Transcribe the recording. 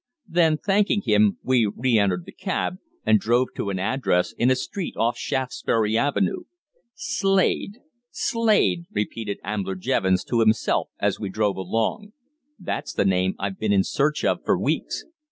Then, thanking him, we re entered the cab and drove to an address in a street off Shaftesbury Avenue. "Slade! Slade!" repeated Ambler Jevons to himself as we drove along. "That's the name I've been in search of for weeks.